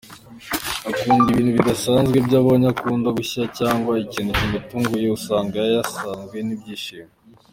Akunda ibintu bidasanzwe, iyo abonye akantu gashya cyangwa ikintu kimutunguye usanga yasazwe n’ibyishimo.